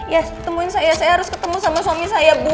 ya temuin saya saya harus ketemu sama suami saya bu